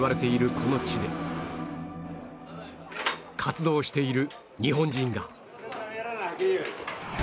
この地で活動している日本人が